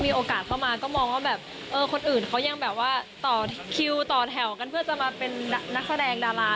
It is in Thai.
โอกาสเข้ามาก็มองว่าแบบเออคนอื่นเขายังแบบว่าต่อคิวต่อแถวกันเพื่อจะมาเป็นนักแสดงดารา